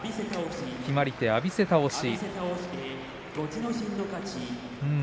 決まり手は浴びせ倒し。